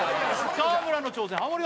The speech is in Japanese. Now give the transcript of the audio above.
川村の挑戦ハモリ